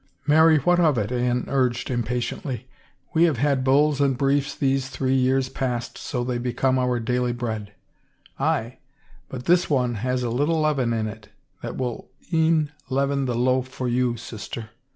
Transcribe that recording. " Marry, what of it? " Anne urged impatiently. " We have had bulls and briefs these three years past so they are become our daily bread." "Aye, but this one has a little leaven in it that will e'en leaven the loaf for you, sister."